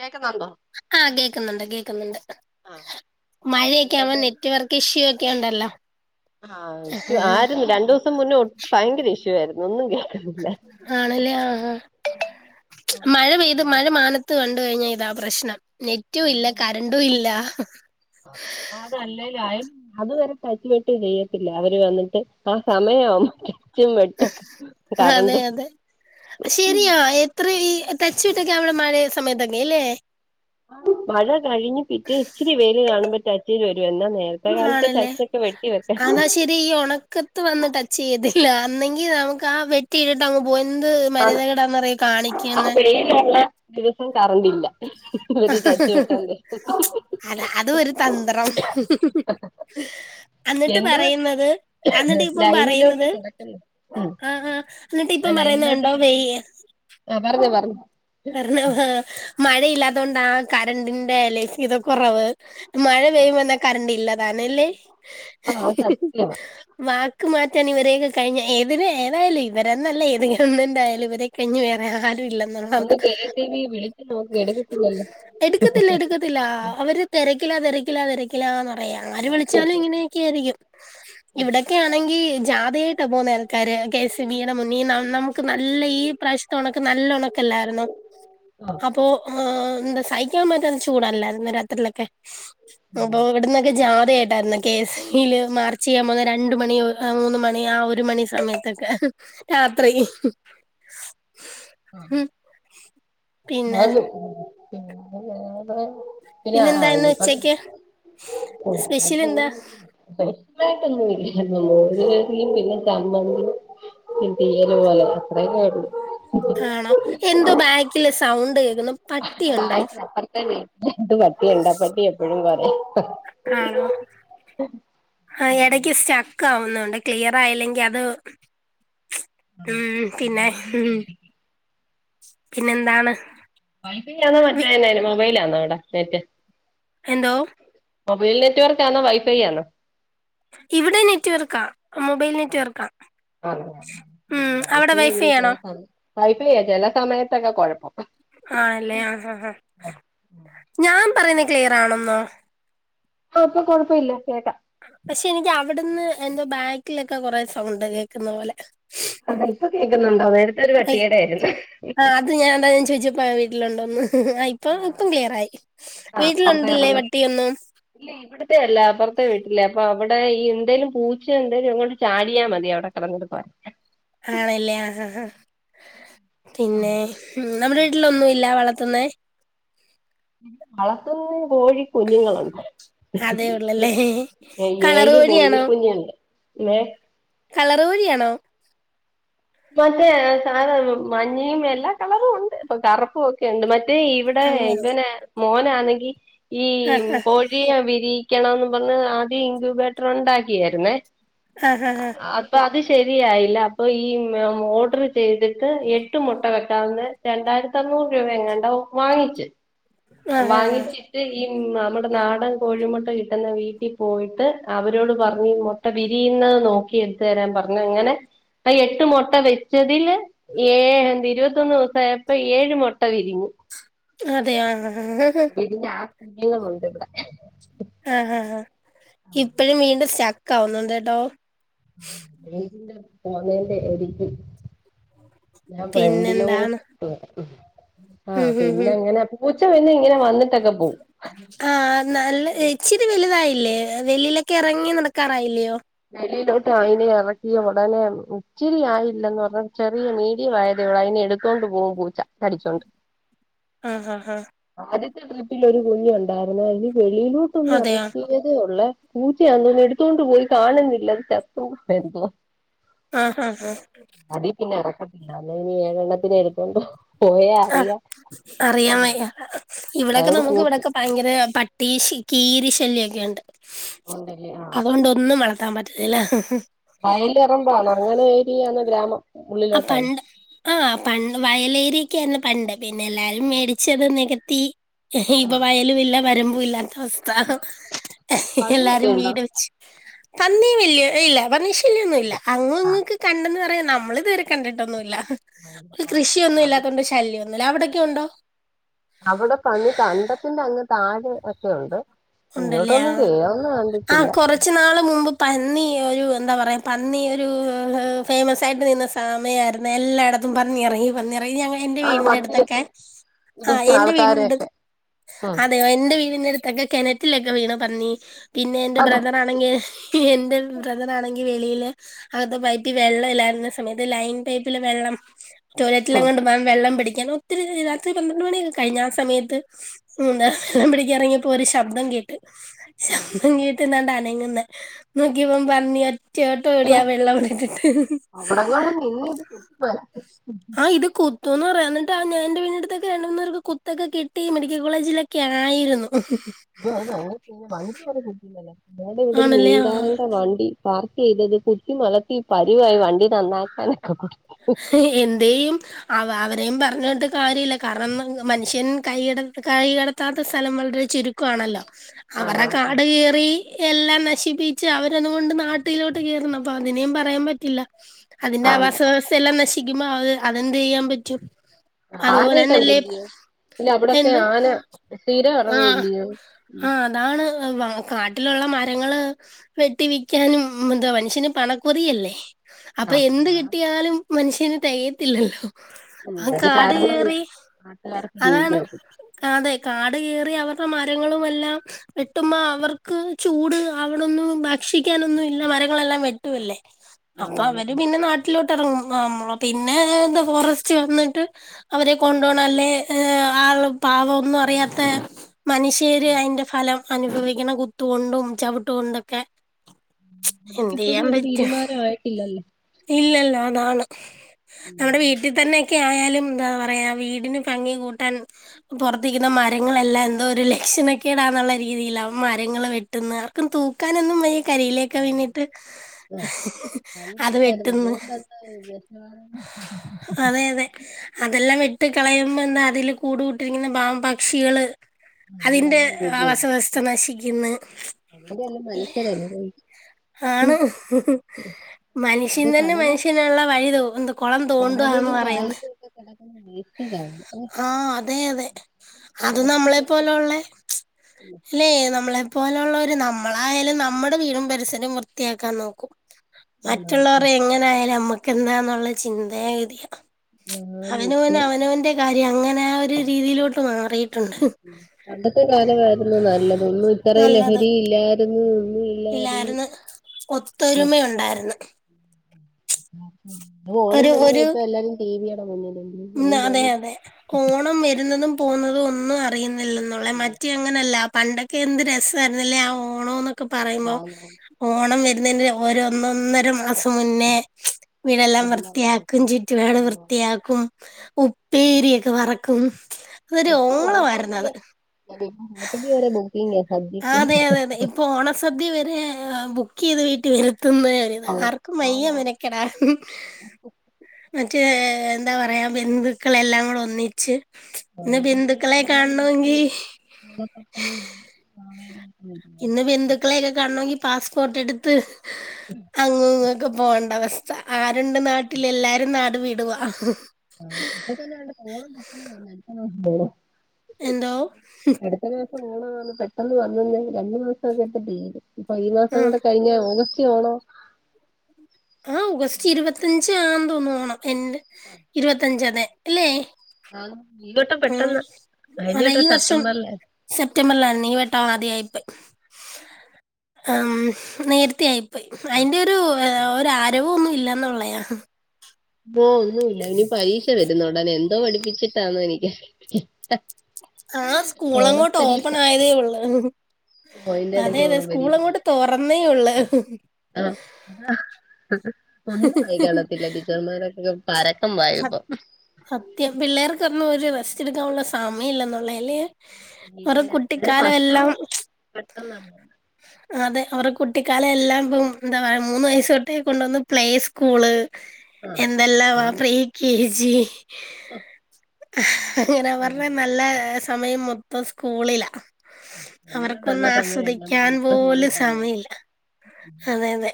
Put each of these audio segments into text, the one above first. കേക്കുന്നുണ്ടോ ആഹ്, കേക്കുന്നുണ്ട് കേക്കുന്നുണ്ട്. ആഹ് മയൊക്കെ ആവുമ്പോ എന്തൊക്കെയുണ്ട് നെറ്റ് വർക്ക് [unintelligible] ഒക്കെണ്ടല്ലാ ആഹ്.. ഇഷ്യു ആര്ന്നു. രണ്ടുസം മുന്നേ [unintelligible] ഭയങ്കര ഇഷ്യൂ ആയിരുന്നു. ഒന്നും കേ [inaudible] ആണല്ലേ? ആഹ്.. ആഹ്, മഴ പെയ്ത്, മഴ മാനത്ത് കണ്ട് കഴിഞ്ഞാ ഇതാ പ്രശ്നം. നെറ്റു ഇല്ല, കറണ്ടു ഇല്ല അതല്ലലായി, അതുവരെ തയ്ച് വെട്ടി ചെയ്യത്തില്ല. അവര് വന്നിട്ട് ആ സമയം [unintelligible] അതെ കറണ്ടും അതെ ശരിയാ [unintelligible] ഈ [unintelligible] വീട്ടൊക്കെ അവിടെ മായേ സമയത്തൊക്കെ ഇല്ലേ? മഴ കഴിഞ്ഞ്, പിറ്റേ ഇച്ചിരി വെയ്ൽ കാണുമ്പോ [unintelligible] എന്നാ [unintelligible] [unintelligible] കാലത്തെ [unintelligible] വെട്ടി [unintelligible] അത്, ഈ ഉണക്കത്ത് വന്ന് ടച്ച് ചെയ്തില്ല. അന്നെങ്കിൽ നമുക്ക് ആ വെ തീരിട്ട അങ്ങ് പോ. എന്ത് ആണ് [unintelligible] ഈ കാണിക്കുന്നേ? [inaudible] ദിവസം കരന്റ് ഇല്ല ഏണിച് എറച്ചി വെട്ടാൻ പോയി. അത് അതും ഒരു തന്ത്രം [inaudible] അന്നിട്ട് പറയുന്നത് അന്നിട്ട് ഇപ്പോ ലൈനിലോട്ട് പറയുന്നത്. കിടക്കുന്നു ആഹ് എന്നിട്ട് ആ ഇപ്പം പറയുന്നത് എന്ത്‌ [inaudible] ആ പറഞ്ഞോ പറഞ്ഞോ. പെർണവ മഴയിലത്തൊണ്ട കറണ്ടിന്റെ ലേസിയുടെ കുറവ്. മഴ പെയ്യുബോ എന്താ കറണ്ട് ഇല്ലാതാനല്ലേ. അമ്മാവ് സത്യമാ വാക്ക്മാറ്റാൻ ഇവരൊക്കെ കഴിഞ്ഞേ ഏതിന് ഏതായാലും ഇവരന്നല്ല ഏത് ഗവൺമെന്റായാലും ഇവരെ കഴിഞ്ഞു വേറെ ആരൂല്ല. ഒന്ന് കെ സ് ഇ ബി വിളിച്ച് നോക്കി എടുക്കത്തില്ലല്ലോ എടുക്കത്തില്ല എടുക്കത്തില്ല അവര് തെരക്കില തെരക്കില തെരെ കിലാ, പറയാണ് ആര് മാറ്റി വെച്ചോ വിളിച്ചാലും ഇങ്ങനെയൊകെയിരിക്കും ഇവിടെ. ഒക്കെ ആണെങ്കിൽ ജാഥയായിട്ട് പോവുന്നെ ആൾക്കാർ കെ സ് ഇ ബി, മൂന്നിന്ന നമുക്ക് നല്ല ഈ പ്രാവശ്യത്തെ ഒണക്ക് നല്ല ഒണക്കലായിരുന്നോ. ആഹ് അപ്പോ ആ എന്താ സഹിക്കാൻ പറ്റാത്തെ ചൂടല്ലേ ഇന്നലെ രാത്രിയിലൊക്കെ. അപ്പോ ഇവിടന്നൊക്കെ ജാഥയട്ടായിരുന്നാ കെ സ് ല് മാർച്ച് ചെയ്യാൻ പോവുന്ന രണ്ട് മണി ഏ മൂന്ന് മണി ആ ഒരു മണി സമയത്തൊക്കെ. രാത്രിയിൽ ആ, പിന്നെ അത് പിന്നെ വേറെ പിന്നെ ആഹ് പിന്നെന്തായിരുന്നു ഇനിയിപ്പോ ഉച്ചക്ക് സ്പെഷ്യൽ എന്താ ഉം [inaudible] പെശാലയിട്ടൊന്നുല്ല മോരുകറി പിന്നെ ചമന്തി. ഈ തീയല് പോലെ അത്രെകൊള്ളു. ആണോ എന്തോ ബാക്കില് സൗണ്ട് കേൾക്കണ്. ബാക്കില് അപർത്തെ വീട്ടില് ഒരു പട്ടിയുണ്ട് ആ പട്ടി എപ്പോഴും കോര [inaudible] ആണോ ആ ഇടക്ക് സ്റ്റേക്കാവുണ്ട് ക്ലിയറയിലെങ്കിൽ അത് ച്ച്. ഉം പിന്നെ ഉം പിന്നെ എന്താണ്. വൈഫൈ ആണോ മറ്റെയാണോ മൊബൈലാണോ അവിടെ അപ്ഡേറ്റ്. എന്തോ. മോബോയിൽ നെറ്റ്‌വർക്ക് ആണോ വൈഫൈ ആണോ. ഇവിടെ നെറ്റ്‌വർക്ക മൊബൈൽ നെറ്റ് വർക്കാ. ആഹ് ഉം അവിടെ വൈഫൈ ആണോ. ആഹ് ഇപ്പോ കേൾക്ക ചേലെ സമയത്തൊക്കെ കുഴപ്പം. ആലെ, ആ ആഹ് ആഹ് ഞാൻപറയുന്നേ ക്ലിയരണന്നോ ഓ ഇപ്പോ കൊഴപ്പില്ല കേക്കാം. പക്ഷെ എനിക്ക് അവിടുന്ന് എന്തോ ബാക്കിലൊക്കെ കൊറെേ സൗണ്ട് കേൾക്കുന്നത് പോലെ. താത്ത ഇപ്പോ കേൾക്കുന്നുണ്ടോ നേരത്തെ ഒരു ഐ പട്ടിയുണ്ടായിരുന്നു. ആ അത് ഞാൻ അങ്ങനെ ചോദിച്ചപ്പോ ആ വീട്ടിലുണ്ടോന്ന് ആയി ഇപ്പോം അപ്പം ക്ലിയരായി വീട്ടിലുണ്ടില്ലേ പട്ടി ഒന്ന്. ഇല്ലേ ഇവിടെ ഇവിടത്തെയല്ല അപർത്തെ വീട്ടില അപ്പോ അവിടെ ഈ എന്തേലും പൂച്ച എന്തേലും അങ്ങോട്ട് ചാടിയാൽ മതി അവിടെ കടന്ന് കൊറക്കാൻ.. ആണല്ലേ ആഹ് ആ പിന്നെ നമ്മുടെ വീട്ടില് ഒന്നുല്ല വളത്തുന്നേ. വളത്തുന്നേ കോഴി കുഞ്ഞുങ്ങളുണ്ട്. അതേ ഉള്ളല്ലേ ഏ കളർ ഏഴു കോഴിയാണോ കോഴിക്കുഞ്ഞുണ്ട്, ലെ. കളറ് കോഴിയാണോ. മറ്റേ ഏ സാധ മഞ്ഞയും എല്ലാ കളറും ഉണ്ട് ഇപ്പോ കറുപ്പോകേണ്ട് മറ്റേ ഇവിടെ ഇവിടെ അങ്ങനെ ഇബന് മോനാണങ്കിൽ ഈ ആ ആ കോഴി കിയോ വിരിക്കണം എന്ന് പറഞ്ഞ് ആദ്യം ഇൻക്യൂബേറ്റർ ഉണ്ടാക്കിയായിരുന്നേ. ആഹ് ഹാ ഹ അപ്പോ അത് ശരിയായില്ല അപ്പൊ ഈ ഓർഡർ ചെയ്തിട്ട് എട്ട് മുട്ട വെ ന്ന് രണ്ടായിരത്തി അഞ്ഞൂറ് രൂപ എങ്ങാണ്ടോ വാങ്ങിച്ച് ആ ആ ആ വാങ്ങിച്ച് ഈ നമ്മുടെ നാടൻ കോഴിമുട്ട കിട്ടുന്ന വീട്ടിൽ പോയിട്ട് അവരോട് പറഞ്ഞീ മു ട്ട വിരിയുന്നത് നോക്കി എടുത്ത് തരാൻ പറഞ്ഞു. അങ്ങനെ അ എട്ട് മുട്ട വെച്ചതില് ഏഴെന്ത് ഇരുപത്തൊന്ന് ദിവസ ആയപ്പോ ഏഴ് മുട്ട വിരിഞ്ഞു. അതെ ആഹ്ഹഹഹഹ് വിരിഞ്ഞ ആ കുഞ്ഞുങ്ങളുണ്ട് ഇവിടെ ആഹ ഹാ ആഇപ്പഴും വീണ്ടും സ്റ്റക്ക് ആവുന്നുണ്ട് കേട്ടോ. റേഞ്ചിന്റെ പോന്നതിന്റെ അരിക്കും ഞാൻ ഫ്രണ്ടിലോമ് പിന്നെന്താണ് ആഹ് ഉം ഉം പിന്നെ ഉം അങ്ങനെ പൂച്ച വന്ന് ഇങ്ങനെ വന്ന് [inaudible] ആഹ് നല്ല ഇച്ചിരി വലുതായില്ലേ? വെളീലൊക്കെ ഇറങ്ങി നടക്കാറായില്ലയോ? വെളിയിലോട്ട് അയിനെ ഇറക്കി ഉടനെ ഇച്ചിരി ആയില്ലന്ന് പറഞ്ഞാ ചെറിയ മീഡിയം ആയതേ ഒള്ളൂ അയിനെടു ത്തോണ്ട് പോകും പൂച്ച കടിച്ചോണ്ട് ആഹ് ഹഹ ആദ്യത്തെ ട്രിപ്പിൽ ഒരു കുഞ്ഞുണ്ടായിരുന്നു അത് വെളിയിലോട്ടൊന്ന് അതെയോ ഇറക്കി യതേ ഒള്ളെ പൂച്ചയങ്ങനെ എടുത്തോണ്ട് പോയി കാണുന്നില്ലത് ചത്തോ എന്തോ ആഹ ഹഹ അതീ പിന്നെ ഇറക്കത്തില്ല അല്ലേൽ ഇനി ഏഴെണ്ണത്തിനെ എടുത്തോണ്ടോ ആ അറിയാൻ വയ്യ ഇവിടൊക്കെ അതുകൊണ്ട് നമുക്ക് കൂട്ടി ഇവിടൊക്കെ ഭയങ്കര പട്ടി കീരി ശല്യൊക്കെണ്ട്. ഉണ്ടല്ലേ ആഹ് അതുകൊണ്ട് ഒന്നും വളർത്താൻ പ ഇല്ല [unintelligible] വയലിറമ്പാണോ അങ്ങനെ ഏരിയാണ് ഗ്രാമം ഉള്ളിലോട്ടാണോ അപ്പണ്ട് ആഹ് പണ്ട് വയലേരിയൊക്കെയായിരുന്ന് പണ്ട് പിന്നെ എല്ലാരും മേടിച്ചത് നികത്തി ഇപ്പൊ ആഹ് വയലും ഇല്ല വരമ്പും ഇല്ലാത്ത അവസ്ഥ പന്നിയൊക്കെ എല്ലാരും ഉണ്ടോ വീട് വെച്ച് പന്നി വല്ല്യേ ഇല്ല പന്നീ ശല്യമൊന്നും ഇല്ല അങ്ങും ആഹ് ഇങ്ങൊക്കെ കണ്ടന്ന് പറയും നമ്മള് തുവരെ കണ്ടിട്ടൊന്നൂല്ല. ആഹ് കൃഷിയൊന്നും അത് ഇല്ലാത്തൊണ്ട് ശല്യമൊന്നൂല്ല. അവിടൊക്കെ ഉണ്ടോ? അവിടെ പണി കണ്ടത്തിന്റെ അങ്ങ് താഴെ ഒക്കെ ഉണ്ട്. ഉണ്ടല്ലേ ആ ഇങ്ങോട്ടൊന്നും കേറുന്ന ആ കണ്ടിട്ടില്ല കൊറച്ച് നാള് മുമ്പ് പന്നി ഒരു എന്താ പറയാ പന്നി ഒരു ഫേമസ് ആയിട്ട് നിന്ന സമയമായിരുന്നെ എല്ലായിടത്ത ത്തും പന്നി ഇറങ്ങി പന്നിയിറങ്ങി അങ്ങ എന്റെ ആ വീടിന്റെ അടുത്തൊക്കെ വണ്ടിയൊക്കെ ആ ഇടിച്ച എന്റെ വീടിന്റത് ആൾക്കാരെയൊക്കെ ഉം അതെയോ എന്റെ വീടിന്റെടുത്ത് ത്തൊക്കെ കിണറ്റിലൊക്കെ വീണ പന്നി പിന്നെ എന്റെ അത് ബ്രാദ റാണെങ്കി എന്റെ ബ്രദറാണെങ്കിൽ വെളിയില് അകത്തെ പൈപ്പിൽ വെള്ളം ഇല്ലായിരുന്ന സമയത്ത് ലൈൻ പൈപ്പിലെ വെള്ളം ടോയ്ലറ്റിൽങ്ങാണ്ട്ന്നാണ് വെള്ളം പിടിക്കണു ത്തിരി ത്തിരി രാത്രി പന്ത്രണ്ട് മണിയൊക്കെ കഴിഞ്ഞ ആ സമയത്ത് ഉം വെള്ളം പിടിക്കാൻ ഇറങ്ങിയപ്പോ ഒരു ശബ്ദം കേട്ട്. ശബ്ദം കേട്ട്ന്നാണ്ടനങ്ങ്ന്ന് നോക്കിയപ്പം പന്നി ചേട്ടോടി അയ്യോ ആ വെള്ളം അവിടെട്ടിട്ട് [unintelligible] പ്പൊവരാ ആ ഇത്ത്തുന്ന് പറയാം എന്നി്ട്ടാ ഞ എൻന്റെ വീടുത്തൊക്ക രണ്ട മൂന്നേർക്ക് കുത്തൊക്കെ കിട്ട മെഡിക്കൽ കോളേജിലെ ഒക്ക ആയിരുന്നു [unintelligible] വണ്ടി വരെ കുത്തിഇടല ഞങ്ങളെ ഇവിടെ ഒരു ആണല്ലേ? മീൻ ആഹ്. കാരൻ വണ്ടി പാർക്ക് ചെയ്തത് കുത്തിമലത്തി പരുവായി വണ്ടി നന്നാക്കാക്കാനൊക്കെ എന്തയും അവ അവരെയും പറഞ്ഞ കേട്ടാര്യമില്ല കാരണം മനുഷ്യൻ കൈട കൈ കിടത്താത്ത സ്ഥലം വളരെ ചുരു യാണല്ലോ അവരുടെ ആന- കാട് കയറി എല്ലാം നശിപ്പിച്ച് അവരതുകൊണ്ട് നാട്ടിലോട്ട് കേയറണം. അപ്പൊ അതിനേും പറയാൻ പറ്റില്ല. അതിന്റെ ആവാസ വ്യവസ്ഥയ എല്ലാം നശിക്കുമ്പോ അത് അതെന്ത് ചെയ്യാൻ പറ്റും. അതുപോലെ ആനയെ തന്നെല്ലേ കണ്ടില്ലയോ പിന്നെ അവിടെൊക്കെ എന്തോ ആന സ്ഥിര ആഹ് ഇറങ്ങൂല്ലയോ? ആഹ് അതാണ് കാട്ടിലുള്ള മരങ്ങള് വെട്ടി വിക്കാനും എന്താ മനുഷ്യന് പണക്കുറിയല്ലേ. ആ അപ്പൊ എന്ത് ആ. കിട്ടിയാലും മനുഷ്യന് തികയത്തില്ലല്ലോ. ഉം. ആ അത് കാട് കാരണം കേയറി നാട്ടുകാർക്ക് അതാണ് ജീവിക്കാൻ ഒക്കും. അതെ കാട് കയറി അവരുടെ മരങ്ങളും എല്ലാം വെട്ടുമ്പോ അവർക്ക് ചൂട് അവിടൊന്നും ഭക്ഷിക്കാനൊന്നും ഇല്ല മരങ്ങളെല്ലാം വെട്ടുവല്ലേ. അപ്പൊ അതാണ് അവര് പിന്നെ നാട്ടിലോട്ട് ഇറങ്ങും നമ്മള പിന്നെ എന്താ ഫോറസ്റ്റ് വന്നിട്ട് അവരെ കൊണ്ടോണം അല്ലേ ആ പാവംഒന്നും അറിയാത്ത മനുഷ്യ ർ അതിന്റെ ഫലം അനുഭവിക്കുന്ന കുത്തുകൊണ്ടും ചവിട്ടു കൊണ്ടൊക്കെ അത് ഇപ്പഴും ഒരു തീരുമാനം ആയിട്ടില്ലല്ലേ? ഇല്ലല്ല അതാണ്. ഉം നമ്മുടെ വീ [unintelligible] തന്നെൊക്കെ ആയാലും എന്താ പറയാ വീടിന് ഭംഗി കൂട്ടാൻ പുറത്ത് നിക്കുന്ന മരങ്ങളെല്ലാം എന്തോ ഒരു ലക്ഷണക്കെടാന്നുള്ള രീതിയില മരങ്ങള് വെ ട്ടുന്ന ആർക്കും തൂക്കാനൊന്നും വയ്യ കരിയിലൊക്കെ വന്നിട്ട് ആഹ് അത് പണ്ടത്തെ ആയിരുന്നു വെട്ടന്ന്. അതെ [unintelligible] അതെ അതെല്ലാം വെട്ടി കളയുമ്പോ എന്താ അതില് കൂട് കൂടിയിരിക്കുന്ന പാവം പക്ഷികള് അതിന്റെ വല്ലാതെയും ആവാസ വ്യവസ്ഥ നശിക്കുന്നു. അതെന്നെ മനുഷ്യർ അനുഭവിക്കും. ആണ് മനുഷ്യൻ അത് തന്നെ കടല മനുഷ്യ നുള്ള വഴി തോന് കൊളം തോണ്ടന്ന് കടലിലും പറയുന്നത്. [unintelligible] ഏഹ് ആ അതെ അതെ അത് നമ്മളെ പ്ലാസ്റ്റിക്കൊക്കെ പോലെ ഉള്ളെ അല്ലെ നമ്മളെ പോലെയുള്ളവർ നമ്മളായാലും നമ്മുടെ വീടും പരിസരവും വൃത്തിയാക്കാൻ നോക്കും. കാണാം മറ്റുള്ളവർ എങ്ങനൊയാലും നമ്മാകെണ്ടാനുള്ള ചിന്തയാഗതിയ. അന്നേ അവനോൻ അവനവന്റെറെ കാര്യം അങ്ങനെ ആ ഒരു രീതിയിലോട്ട് മാറി. പണ്ടത്തെ കാലമായിരുന്നു നല്ലത. ഒന്നും ഇത്ര നല്ലത് ലഹരി ഇല്ലായിരുന്നു, ഇല്ലായിരുന്നു ഒത്തൊരുമ ഉണ്ടായിരുന്നു. ഓണം വന്ന് ഇപ്പ എല്ലാരും ടീവി യടെ മുന്നില്ല. മ്മ് അതെ അതെ ഓണം വരുന്നതും പോുന്നതും ഒന്നും അറിയുന്നില്ലെന്നുള്ളെ മറ്റേ അങ്ങനെയല്ല പണ്ട ക്കെ എന്ത് രസമായിരുന്നില്ലേ ആ ഓണംന്നൊക്കെ പറയുമ്പോ, ആഹ് ഓണം വരുന്നതിന് ഒരു ഒന്നൊന്നര മാസം മുന്നേ വീടെല്ലാം എല്ലാം വൃത്തിയാക്കും, ചുറ്റുപാട് വൃത്തിയാക്കും. ഉപ്പേരിയൊക്കെ വറക്കും അതൊരു ഇപ്പോ ഓളമായിരുന്നു ഹോട്ടലില് അത്, [unintelligible] വരെ പോ ആ അതെ അതെ അതെ ഇപ്പൊ ഓണസദ്യ വരെ ബുക്ക് ചെയ്ത് വീട്ടിൽ വരുത്തുന്ന ആർക്കും വയ്യ ആണോ മെനക്കെടാൻ. മറ്റേ എന്താ പറയാ ബന്ധുക്കളെല്ലാം കൂടെ ഒന്നിച്ച്. ഇന്ന് ബന്ധുക്കളെ കാണണമെങ്കി [unintelligible] ഒക്കെ വരില്ലേ ഇന്ന് ബന്ധുക്കളെയൊക്കെ കാണണെങ്കിൽ പാസ്പോർട്ട് എടുത്ത് അങ്ങ് ഒക്കെ പോണ്ട അവസ്ഥ. ആരുണ്ട് നാട്ടിൽ, എല്ലാരും നാട് വിടുവ. ആ [unintelligible] [inaudible] എന്തോ ഹം. അടുത്ത മാസം ഓണാണ് പെട്ടെന്ന് വന്നന്ന് രണ്ടു മാസൊക്കെ ഇപ്പം തീരും. ഇപ്പൊ ഈ മാസം ആ കൂടെ കയിഞ്ഞ ഓഗസ്റ്റ് ഒണൊ. ആ ഓഗസ്റ്റ് ഇരുപത്തഞ്ചാണന്ന്തോന്ന്ന്നു ഓണം എന്റെ ഇരുപത്തഞ്ച അതെ അല്ലെ. ആ ഈ വട്ടം പെട്ടെന്ന് കൈഞട്ടം സെപ്റ്റംബറിലേനു. സെപ്റ്റംബറില ഈവട്ടം ആദ്യയിപ്പോ. [inaudible] അം നേരത്തെ ആയിപ്പോയി അയിന്റൊരു ആരവവും ഒന്നുംല്ലന്നുള്ളയാ. ഓ ഒന്നുമില്ല ഇനി പരീക്ഷ വരുന്നുണ്ട്‌ അയ്നെന്തോ പഠിപ്പിച്ചിട്ടാന്നനിക്ക ആ സ്കൂൾ അങ്ങോട്ട് ഓപ്പൺ ആയതേ ഉള്ളൂ ഓ അയിന്റെ അതെ ഇടയ്ക്ക് അതെ ഓണം സ്കൂള അങ്ങോട്ട്. തൊറന്നേ ഉള്ളൂ ഇഹ്. ആ ഒന്നും ആയി കാണത്തില്ല ടീച്ചർമാരൊക്ക. പരക്കം സ- പായുപ്പൊ. സത്യം പിള്ളേർക്കൊന്നൊരു റെസ്റ്റ് എടുക്കാനുള്ള സമയംല്ലന്നുള്ളേയാ അല്ലേയൊ. ഓരെ ഇല്ല അത് കുട്ടിക്കാലം വർഷം എല്ലാം ക്ക്ച്ച്. പെട്ടെന്നാണ് പോണെ അതെ അവരെ കുട്ടിക്കാലെല്ലാം ഇപ്പം എന്താ പറയാ മൂന്ന് വയസ്സ തൊട്ടേ കൊണ്ടുവന്ന് പ്ലേ സ്കൂള്. ആ എന്തെല്ലാ വാ അതിപ്പോ പ്രീ കെ ജി. അങ്ങനെ ആ പറഞ്ഞ നല്ല സമയം മൊത്തം സ്കൂളിലാ. നമ്മുടെ നല്ല അവർക്കൊന്നും സമയം എല്ലാം ആസ്വദിക്കാൻ പോയി ഇപ്പൊ സ്കൂളിൽ പോലും പോകാൻ തോന്നുന്നു സമയല്ല. അതെ അതെ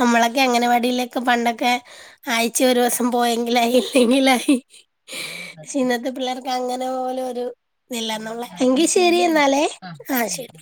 നമ്മളൊക്കെ അങ്കണവാടിലേക് പണ്ടൊക്കെ ആയി. ചേ ഒരോസം പോയെങ്കിലായി ഇല്ലെങ്കിലായി പഷേ ഇന്നത്തെ പിള്ളേർക്ക്. അങ്ങനെ പോലും ഒരു ഇതില്ലന്നുളെ എന്നാ എങ്കിശരി ശരിയെടാ എന്നാലേ ആ ആഹ് ശരി.